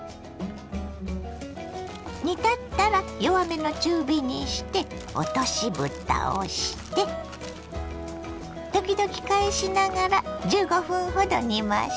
煮立ったら弱めの中火にして落としぶたをして時々返しながら１５分ほど煮ましょ。